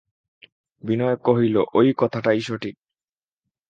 বিনয় কহিল, ঐ কথাটাই ঠিক।